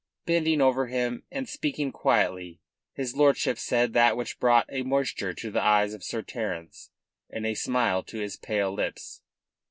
Bending over him and speaking quietly, his lordship said that which brought a moisture to the eyes of Sir Terence and a smile to his pale lips.